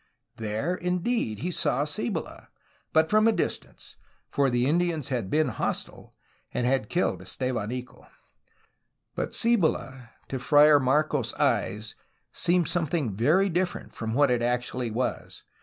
There indeed he saw Cibola, but from a distance, for the Indians had been hostile and had killed Estevanico. But Cibola to Friar Marcos' eyes seemed something very different from what it actually was.